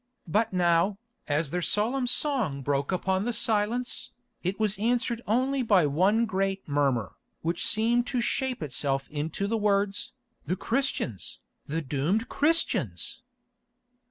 But now, as their solemn song broke upon the silence, it was answered only by one great murmur, which seemed to shape itself to the words, "the Christians! The doomed Christians!"